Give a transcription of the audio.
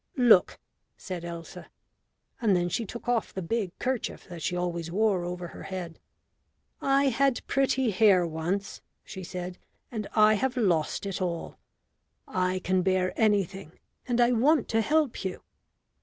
"Look," said Elsa. And then she took off the big kerchief that she always wore over her head. "I had pretty hair once," she said, "and I have lost it all. I can bear anything, and I want to help you."